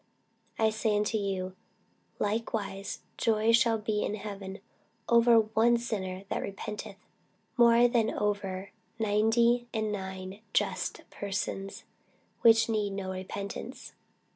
I say unto you, that likewise joy shall be in heaven over one sinner that repenteth, more than over ninety and nine just persons, which need no repentance.